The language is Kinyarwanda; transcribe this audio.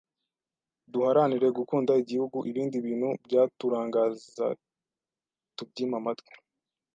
Duharanire gukunda Igihugu, ibindi bintu byaturangaza tubyime amatwi.